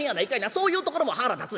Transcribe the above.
そういうところも腹立つ。